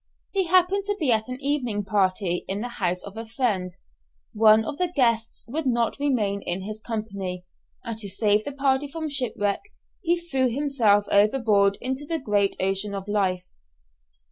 He happened to be at an evening party, in the house of a friend; one of the guests would not remain in his company, and to save the party from shipwreck he threw himself overboard into the great ocean of life.